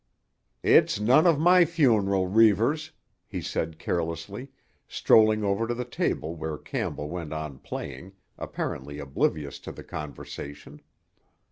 "It's none of my funeral, Reivers," he said carelessly, strolling over to the table where Campbell went on playing, apparently oblivious to the conversation.